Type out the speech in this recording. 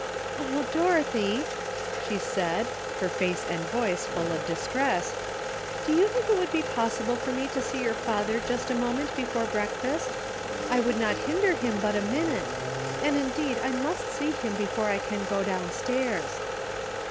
*' O, Dorothy !" she said, her face and voice full of distress, ''do you think it would be pos sible for me to see your father just a moment before breakfast? I would not hinder him but a minute, and indeed I must see him before I can go downstairs."